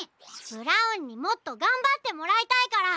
ブラウンにもっとがんばってもらいたいから。